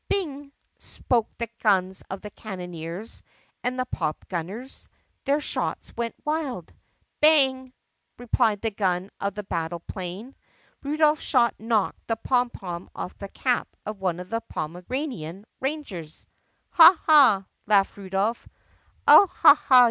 "Bing!" spoke the guns of the Cannoneers and the Pop gunners. Their shots went wild. "Bang!" replied the gun of the battle plane. Rudolph's shot knocked the pom pom off the cap of one of the Pomeran ian Rangers. "Ha! ha!" laughed Rudolph. "I 'll 'ha! ha!